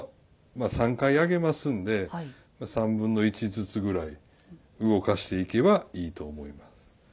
まあ３回上げますんで３分の１ずつぐらい動かしていけばいいと思います。